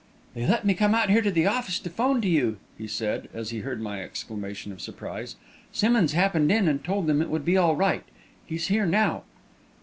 "They let me come out here to the office to 'phone to you," he said, as he heard my exclamation of surprise. "Simmonds happened in and told them it would be all right. He's here now."